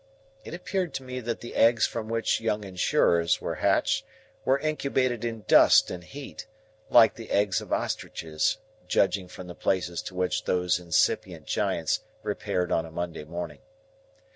It appeared to me that the eggs from which young Insurers were hatched were incubated in dust and heat, like the eggs of ostriches, judging from the places to which those incipient giants repaired on a Monday morning.